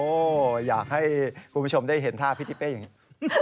โอ้โหอยากให้คุณผู้ชมได้เห็นท่าพี่ทิเป้อย่างนี้